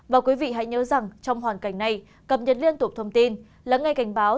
và quý vị hãy nhớ rằng trong hoàn cảnh này cập nhật liên tục thông tin lắng nghe cảnh báo